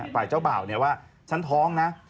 ฝ่ายเจ้าบ่าวเนี่ยว่าฉันท้องนะ